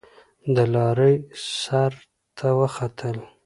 د لارۍ سر ته وختل.